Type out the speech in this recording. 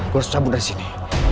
gue harus cabut dari sini